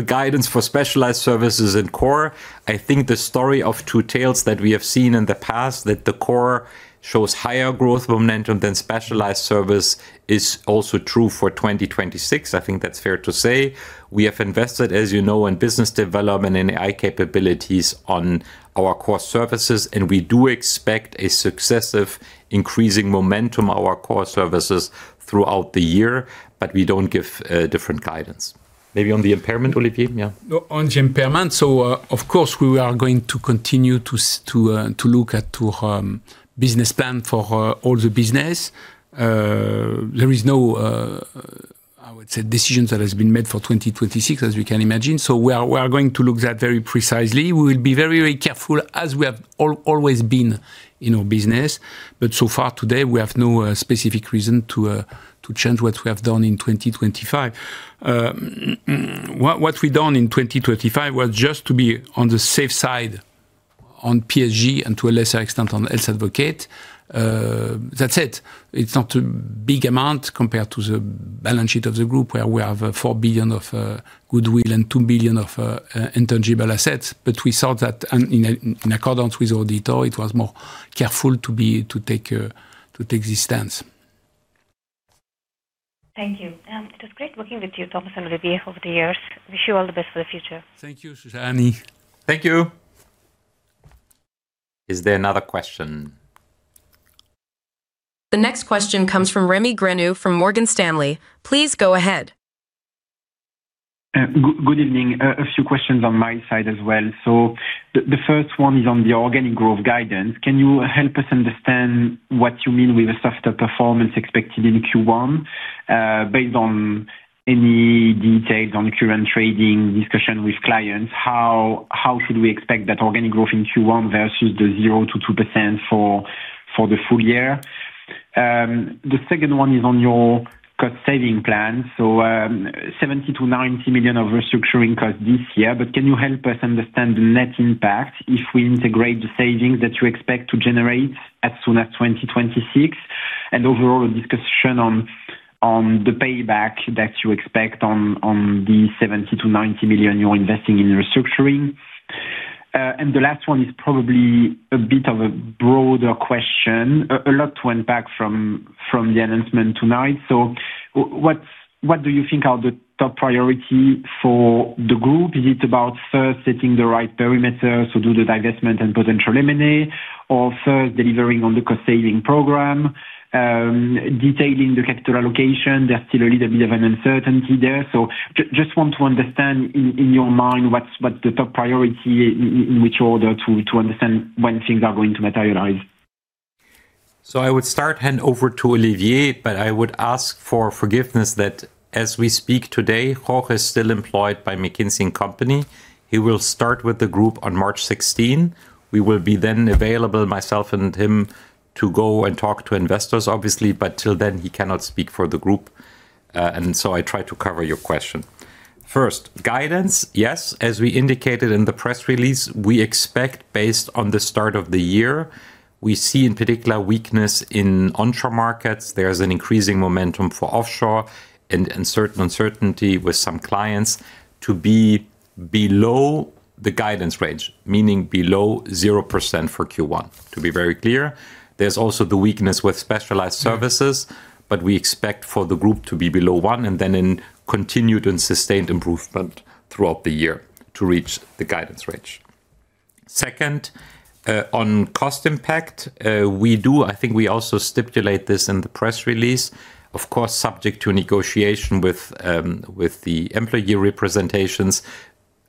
guidance for Specialized Services and Core Services. I think the story of two tales that we have seen in the past, that the Core Services shows higher growth momentum than Specialized Services is also true for 2026. I think that's fair to say. We have invested, as you know, in business development and AI capabilities on our Core Services, and we do expect a successive increasing momentum of our Core Services throughout the year, but we don't give different guidance. Maybe on the impairment, Olivier? Yeah. On the impairment, of course, we are going to continue to look at business plan for all the business. There is no, I would say, decision that has been made for 2026, as we can imagine, we are going to look that very precisely. We will be very, very careful, as we have always been in our business. So far today, we have no specific reason to change what we have done in 2025. What we've done in 2025 was just to be on the safe side on PSG and to a lesser extent, on Health Advocate. That's it. It's not a big amount compared to the balance sheet of the group, where we have, 4 billion of, goodwill and 2 billion of, intangible assets. We saw that, and in accordance with auditor, it was more careful to be, to take this stance. Thank you. It was great working with you, Thomas and Olivier, over the years. Wish you all the best for the future. Thank you, Suhasini. Thank you. Is there another question? The next question comes from Rémi Grenu, from Morgan Stanley. Please go ahead. Good evening. A few questions on my side as well. The first one is on the organic growth guidance. Can you help us understand what you mean by the softer performance expected in Q1? Based on any details on current trading discussion with clients, how should we expect that organic growth in Q1 versus the 0%-2% for the full year? The second one is on your cost-saving plan. 70 million-90 million of restructuring costs this year, but can you help us understand the net impact if we integrate the savings that you expect to generate as soon as 2026? Overall, a discussion on the payback that you expect on the 70 million-90 million you're investing in restructuring. The last one is probably a bit of a broader question. A lot to unpack from the announcement tonight. What, what do you think are the top priority for the group? Is it about first setting the right perimeter, so do the divestment and potential M&A, or first delivering on the cost-saving program, detailing the capital allocation? There's still a little bit of an uncertainty there. Just want to understand in your mind, what's the top priority in which order to understand when things are going to materialize. I would start hand over to Olivier, but I would ask for forgiveness that as we speak today, Jorge is still employed by McKinsey & Company. He will start with the group on March 16. We will be then available, myself and him, to go and talk to investors, obviously, but till then, he cannot speak for the group. I'll try to cover your question. First, guidance, yes, as we indicated in the press release, we expect based on the start of the year, we see in particular weakness in onshore markets. There's an increasing momentum for offshore and certain uncertainty with some clients to be below the guidance range, meaning below 0% for Q1, to be very clear. There's also the weakness with Specialized Services, but we expect for the group to be below 1%, and then in continued and sustained improvement throughout the year to reach the guidance range. Second, on cost impact, I think we also stipulate this in the press release, of course, subject to negotiation with the employee representations,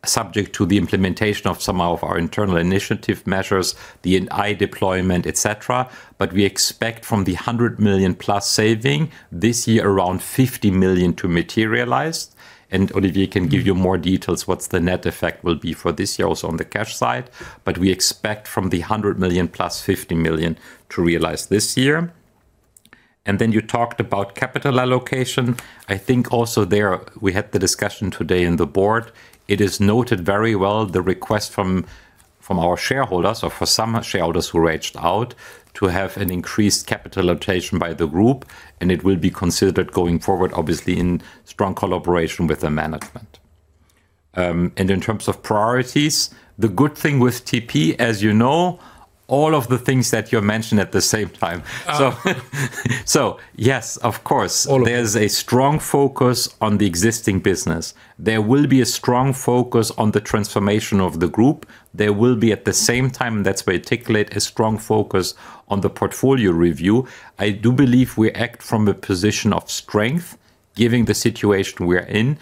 subject to the implementation of some of our internal initiative measures, the AI deployment, et cetera. We expect from the 100 million+ saving, this year, around 50 million to materialize, and Olivier can give you more details what's the net effect will be for this year also on the cash side. We expect from the 100 million + 50 million to realize this year. You talked about capital allocation. I think also there, we had the discussion today in the board. It is noted very well, the request from our shareholders or for some shareholders who reached out to have an increased capital allocation by the group, and it will be considered going forward, obviously, in strong collaboration with the management. In terms of priorities, the good thing with TP, as you know, all of the things that you mentioned at the same time. So yes, of course. There's a strong focus on the existing business. There will be a strong focus on the transformation of the group. There will be, at the same time, that's why I articulate, a strong focus on the portfolio review. I do believe we act from a position of strength, given the situation we are in.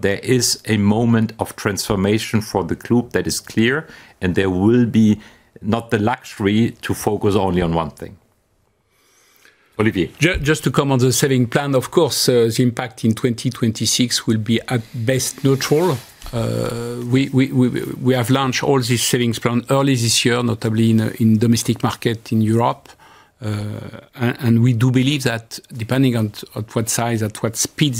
There is a moment of transformation for the group that is clear. There will be not the luxury to focus only on one thing. Olivier? Just to come on the saving plan, of course, the impact in 2026 will be at best neutral. We have launched all these savings plan early this year, notably in domestic market in Europe. We do believe that depending on what size, at what speed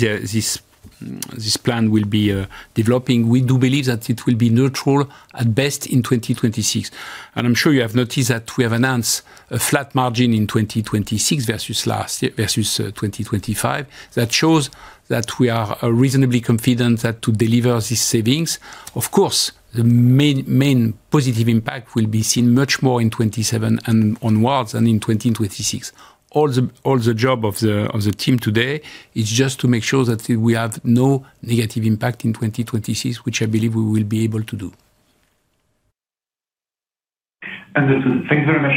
this plan will be developing, we do believe that it will be neutral at best in 2026. I'm sure you have noticed that we have announced a flat margin in 2026 versus last year versus 2025. That shows that we are reasonably confident that to deliver these savings. Of course, the main positive impact will be seen much more in 2027 and onwards and in 2026. All the job of the team today is just to make sure that we have no negative impact in 2026, which I believe we will be able to do. Understood. Thank you very much.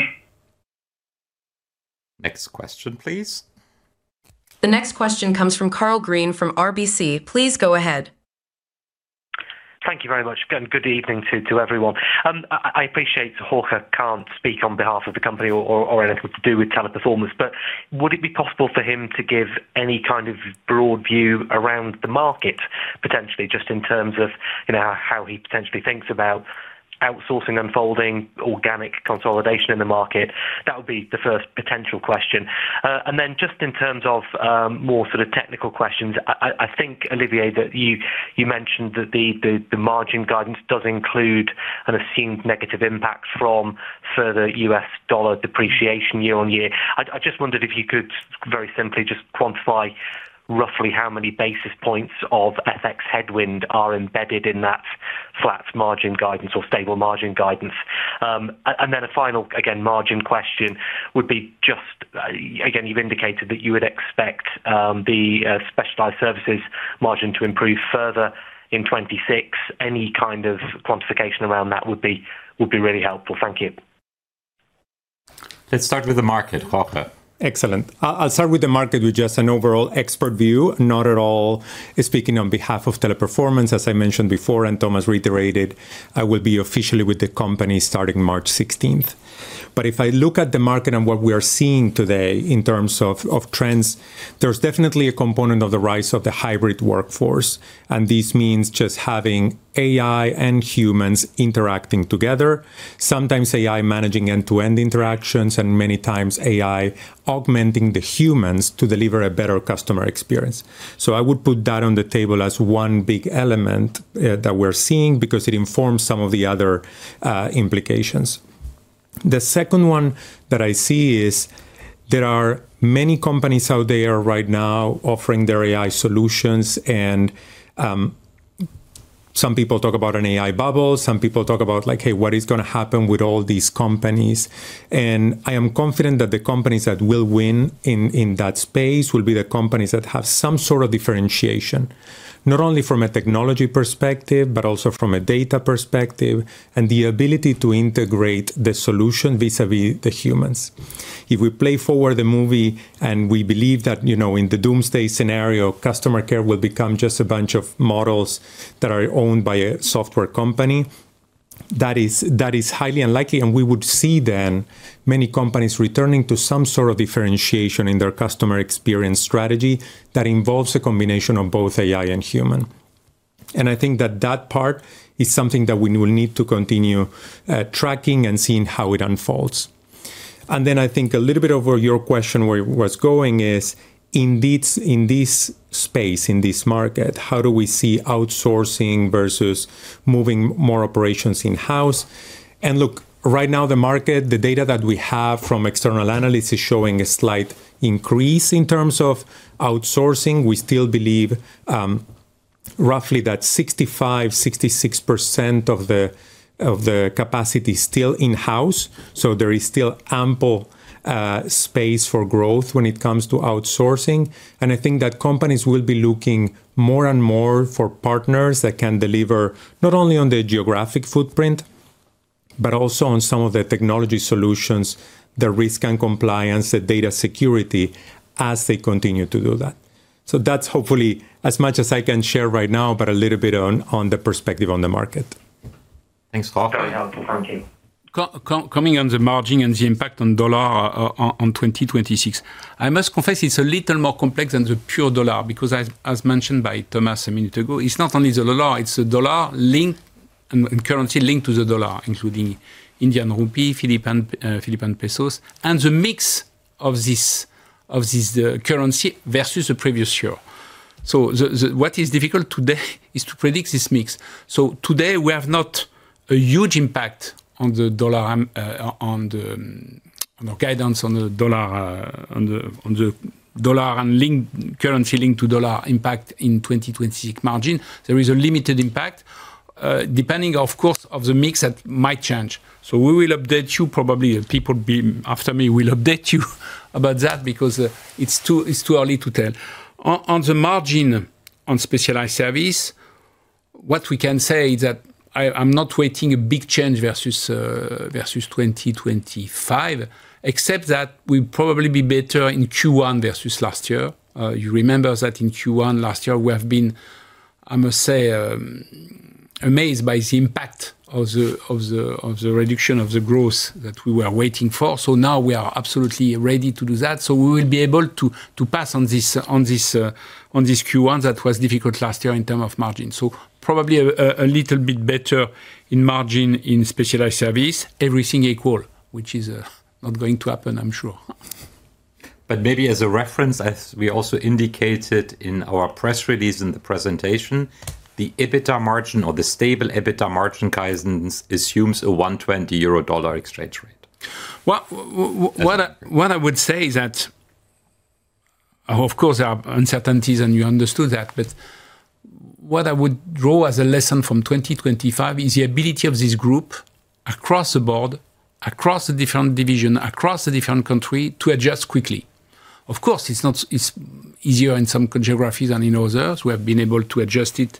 Next question, please. The next question comes from Karl Green from RBC. Please go ahead. Thank you very much, good evening to everyone. I appreciate Jorge can't speak on behalf of the company or anything to do with Teleperformance, would it be possible for him to give any kind of broad view around the market, potentially just in terms of, you know, how he potentially thinks about outsourcing, unfolding, organic consolidation in the market? That would be the first potential question. Then just in terms of more sort of technical questions, I think, Olivier, that you mentioned that the margin guidance does include an assumed negative impact from further U.S. dollar depreciation year-on-year. I just wondered if you could very simply just quantify roughly how many basis points of FX headwind are embedded in that flat margin guidance or stable margin guidance. A final, again, margin question would be, you've indicated that you would expect the Specialized Services margin to improve further in 2026. Any kind of quantification around that would be really helpful. Thank you. Let's start with the market, Jorge. Excellent. I'll start with the market with just an overall expert view. Not at all speaking on behalf of Teleperformance, as I mentioned before and Thomas reiterated, I will be officially with the company starting March 16th. If I look at the market and what we are seeing today in terms of trends, there's definitely a component of the rise of the hybrid workforce, and this means just having AI and humans interacting together. Sometimes AI managing end-to-end interactions, and many times AI augmenting the humans to deliver a better customer experience. So I would put that on the table as one big element that we're seeing because it informs some of the other implications. The second one that I see is there are many companies out there right now offering their AI solutions, and, some people talk about an AI bubble, some people talk about like, "Hey, what is gonna happen with all these companies?" I am confident that the companies that will win in that space will be the companies that have some sort of differentiation, not only from a technology perspective, but also from a data perspective, and the ability to integrate the solution vis-à-vis the humans. If we play forward the movie and we believe that, you know, in the doomsday scenario, customer care will become just a bunch of models that are owned by a software company, that is highly unlikely, and we would see then many companies returning to some sort of differentiation in their customer experience strategy that involves a combination of both AI and human. I think that that part is something that we will need to continue tracking and seeing how it unfolds. Then I think a little bit of where your question where was going is, in this space, in this market, how do we see outsourcing versus moving more operations in-house? Look, right now, the market, the data that we have from external analysts is showing a slight increase in terms of outsourcing. We still believe, roughly that 65%, 66% of the, of the capacity is still in-house, so there is still ample space for growth when it comes to outsourcing. I think that companies will be looking more and more for partners that can deliver not only on their geographic footprint, but also on some of the technology solutions, the risk and compliance, the data security, as they continue to do that. That's hopefully as much as I can share right now, but a little bit on the perspective on the market. Thanks, Jorge. Very helpful. Thank you. Coming on the margin and the impact on dollar on 2026. I must confess it's a little more complex than the pure dollar, because as mentioned by Thomas a minute ago, it's not only the dollar, it's the dollar linked and currency linked to the dollar, including Indian rupee, Philippine pesos, and the mix of this currency versus the previous year. What is difficult today is to predict this mix. Today, we have not a huge impact on the dollar. Our guidance on the dollar, on the dollar and linked, currency linked to dollar impact in 2020 margin, there is a limited impact, depending, of course, of the mix that might change. We will update you, probably people after me will update you about that because it's too early to tell. On the margin on Specialized Services, what we can say is that I'm not waiting a big change versus versus 2025, except that we'll probably be better in Q1 versus last year. You remember that in Q1 last year, we have been, I must say, amazed by the impact of the reduction of the growth that we were waiting for. Now we are absolutely ready to do that. We will be able to pass on this Q1 that was difficult last year in terms of margin. Probably a little bit better in margin in Specialized Services, everything equal, which is not going to happen, I'm sure. Maybe as a reference, as we also indicated in our press release in the presentation, the EBITDA margin or the stable EBITDA margin guidance assumes a 1.20-euro dollar exchange rate. Well, what I would say is that, of course, there are uncertainties, and you understood that. What I would draw as a lesson from 2025 is the ability of this group across the board, across the different division, across the different country, to adjust quickly. Of course, it's not. It's easier in some geographies than in others. We have been able to adjust it,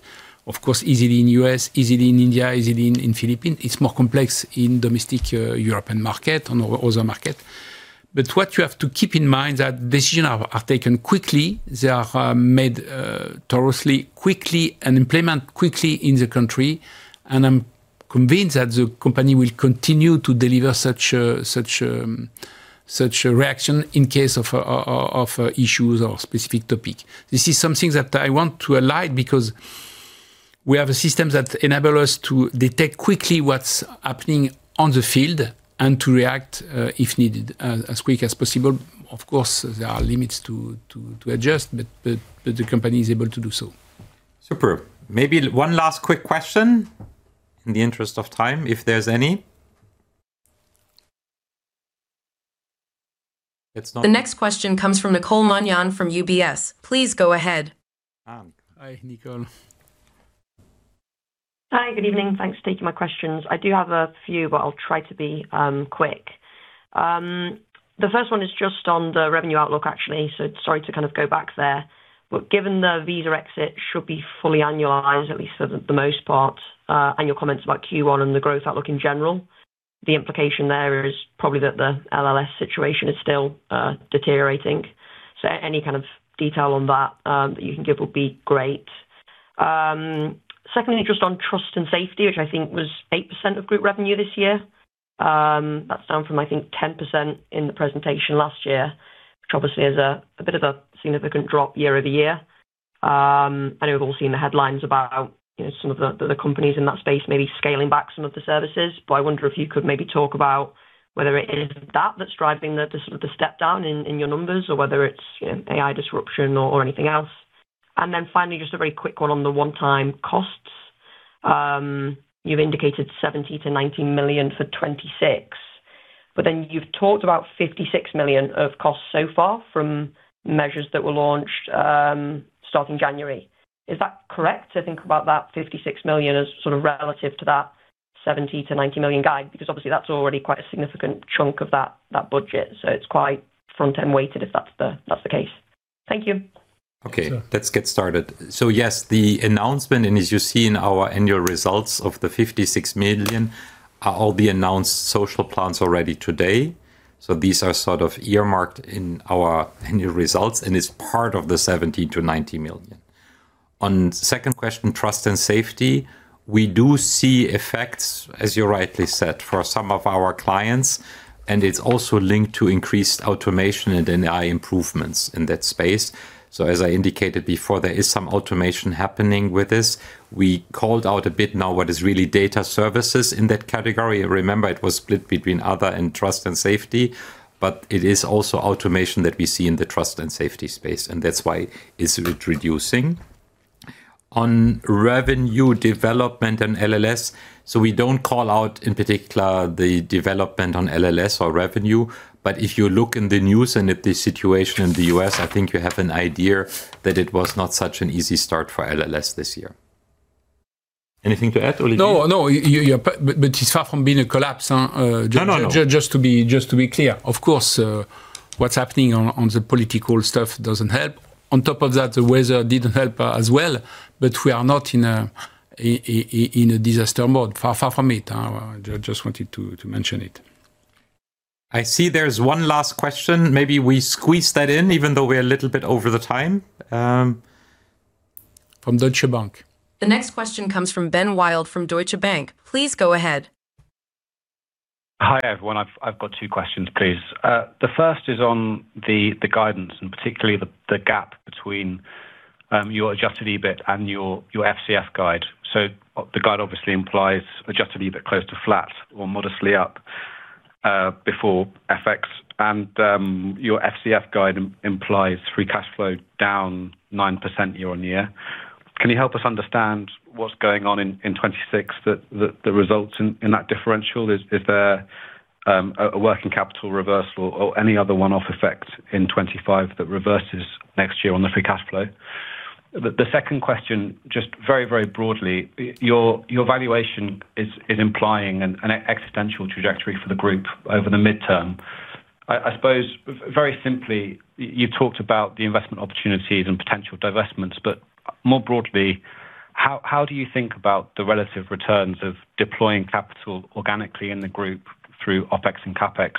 of course, easily in U.S., easily in India, easily in Philippines. It's more complex in domestic European market and other market. What you have to keep in mind that decisions are taken quickly. They are made thoroughly, quickly, and implement quickly in the country, and I'm convinced that the company will continue to deliver such a reaction in case of issues or specific topic. This is something that I want to highlight because we have a system that enables us to detect quickly what's happening on the field and to react, if needed, as quickly as possible. Of course, there are limits to adjust, but the company is able to do so. Superb. Maybe one last quick question, in the interest of time, if there's any? The next question comes from Nicole Manion from UBS. Please go ahead. Hi, Nicole. Hi, good evening. Thanks for taking my questions. I do have a few, but I'll try to be quick. The first one is just on the revenue outlook, actually, sorry to kind of go back there. Given the visa exit should be fully annualized, at least for the most part, and your comments about Q1 and the growth outlook in general, the implication there is probably that the LLS situation is still deteriorating. Any kind of detail on that that you can give would be great. Secondly, just on Trust & Safety, which I think was 8% of group revenue this year, that's down from, I think, 10% in the presentation last year, which obviously is a bit of a significant drop year-over-year. I know we've all seen the headlines about, you know, some of the companies in that space maybe scaling back some of the services, but I wonder if you could maybe talk about whether it is that that's driving the step down in your numbers or whether it's, you know, AI disruption or anything else. Finally, just a very quick one on the one-time costs. You've indicated 70 million-90 million for 2026, but then you've talked about 56 million of costs so far from measures that were launched starting January. Is that correct, to think about that 56 million as sort of relative to that 70 million-90 million guide? Obviously, that's already quite a significant chunk of that budget, so it's quite front-end weighted, if that's the case. Thank you. Okay. Sure. Let's get started. Yes, the announcement, and as you see in our annual results of the 56 million, are all the announced social plans already today. These are sort of earmarked in our annual results, and it's part of the 70 million-90 million. On second question, Trust & Safety, we do see effects, as you rightly said, for some of our clients, and it's also linked to increased automation and AI improvements in that space. As I indicated before, there is some automation happening with this. We called out a bit now what is really data services in that category. Remember, it was split between other and Trust & Safety, but it is also automation that we see in the Trust & Safety space, and that's why it's reducing. On revenue development and LLS, we don't call out, in particular, the development on LLS or revenue. If you look in the news and at the situation in the U.S., I think you have an idea that it was not such an easy start for LLS this year. Anything to add, Olivier? No, no, it's far from being a collapse. No, no. Just to be clear. Of course, what's happening on the political stuff doesn't help. On top of that, the weather didn't help as well, but we are not in a disaster mode. Far from it. I just wanted to mention it. I see there's one last question. Maybe we squeeze that in, even though we're a little bit over the time. From Deutsche Bank. The next question comes from Ben Wild, from Deutsche Bank. Please go ahead. Hi, everyone. I've got two questions, please. The first is on the guidance and particularly the gap between your adjusted EBIT and your FCF guide. The guide obviously implies adjusted EBIT close to flat or modestly up before FX, and your FCF guide implies free cash flow down 9% year-over-year. Can you help us understand what's going on in 2026 that the results in that differential is there a working capital reversal or any other one-off effect in 2025 that reverses next year on the free cash flow? The second question, just very broadly, your valuation is implying an existential trajectory for the group over the midterm. I suppose, very simply, you've talked about the investment opportunities and potential divestments, but more broadly, how do you think about the relative returns of deploying capital organically in the group through OpEx and CapEx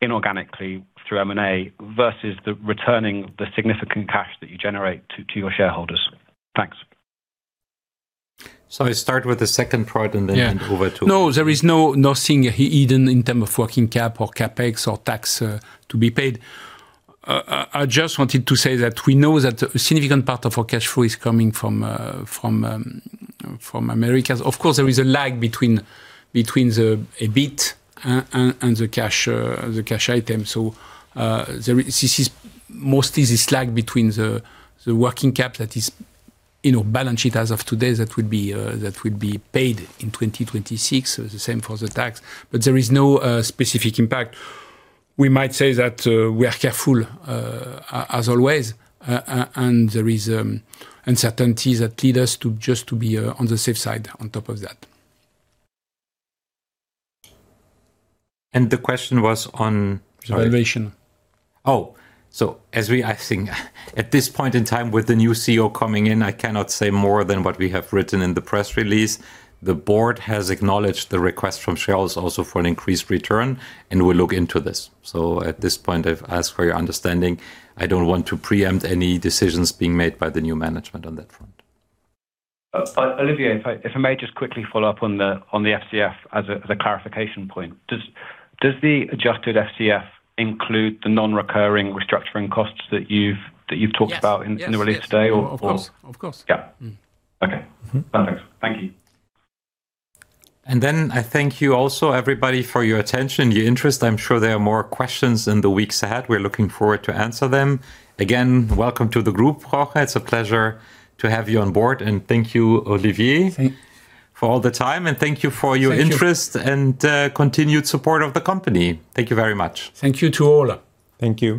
inorganically through M&A versus the returning the significant cash that you generate to your shareholders? Thanks. I start with the second part and then- Yeah. Olivier. No, there is no, nothing hidden in term of working cap or CapEx or tax to be paid. I just wanted to say that we know that a significant part of our cash flow is coming from Americas. Of course, there is a lag between the EBIT and the cash item. This is mostly this lag between the working cap that is, you know, balance sheet as of today, that would be paid in 2026. The same for the tax, but there is no specific impact. We might say that we are careful as always and there is uncertainties that lead us to just to be on the safe side on top of that. The question was on? Valuation. I think at this point in time, with the new CEO coming in, I cannot say more than what we have written in the press release. The board has acknowledged the request from shareholders for an increased return, and we'll look into this. At this point, I've asked for your understanding. I don't want to preempt any decisions being made by the new management on that front. Olivier, if I may just quickly follow up on the FCF as a clarification point. Does the adjusted FCF include the non-recurring restructuring costs that you've talked about? In the release today or? Of course. Of course. Yeah. Mm-hmm. Okay. Mm-hmm. Perfect. Thank you. I thank you also, everybody, for your attention, your interest. I'm sure there are more questions in the weeks ahead. We're looking forward to answer them. Again, welcome to the group, Jorge. It's a pleasure to have you on board, and thank you, Olivier. Thank you. For all the time, and thank you for your interest. Thank you. And continued support of the company. Thank you very much. Thank you to all. Thank you.